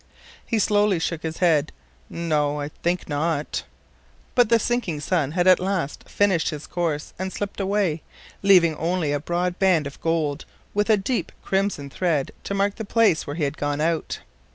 He slowly shook his head: "No, I think not." But the sinking sun had at last finished his course and slipped away, leaving only a broad band of gold, with a deep crimson thread to mark the place where he had gone out.